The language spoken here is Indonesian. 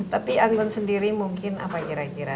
tapi anggun sendiri mungkin apa kira kira